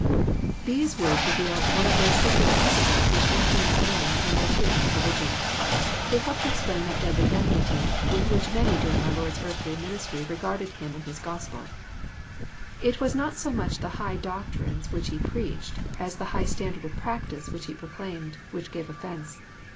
These words reveal one of those secret principles which influence men in their treatment of religion. They help to explain that deadly enmity with which many during our Lord's earthly ministry regarded Him and His Gospel. It was not so much the high doctrines which He preached, as the high standa'rH^of practice which He proclaimed, which gave offence.